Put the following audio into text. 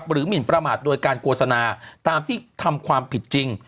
หมินประมาทโดยการโฆษณาตามที่ทำความผิดจริง